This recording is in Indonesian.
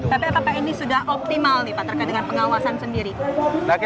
tapi apakah ini sudah optimal nih pak terkait dengan pengawasan sendiri